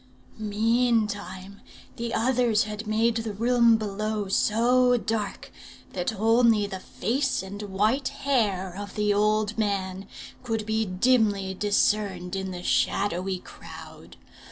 "Meantime the others had made the room below so dark, that only the face and white hair of the old man could be dimly discerned in the shadowy crowd.